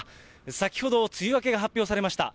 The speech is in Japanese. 先ほど梅雨明けが発表されました。